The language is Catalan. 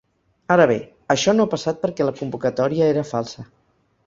Ara bé, això no ha passat perquè la convocatòria era falsa.